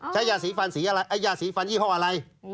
ใช้ยาสีฟันยี่ห้องอะไร